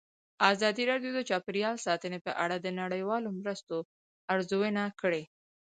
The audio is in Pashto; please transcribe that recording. ازادي راډیو د چاپیریال ساتنه په اړه د نړیوالو مرستو ارزونه کړې.